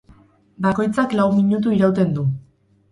Bakoitzak lau minutu irauten du.